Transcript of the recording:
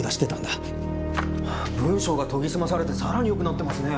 文章が研ぎ澄まされてさらに良くなってますね。